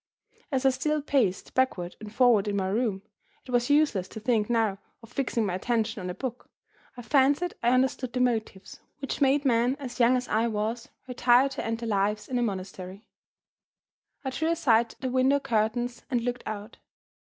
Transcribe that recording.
As I still paced backward and forward in my room it was useless to think now of fixing my attention on a book I fancied I understood the motives which made men as young as I was retire to end their lives in a monastery. I drew aside the window curtains, and looked out.